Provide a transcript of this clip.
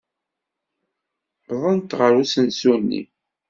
Wwḍent ɣer usensu-nni.